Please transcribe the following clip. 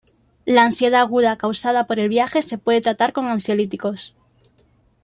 La ansiedad aguda causada por el viaje se puede tratar con ansiolíticos.